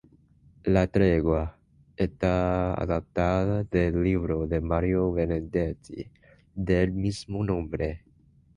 La tregua está adaptada del libro de Mario Benedetti del mismo nombre.